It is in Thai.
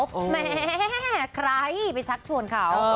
แหมใครไปชักชวนเขา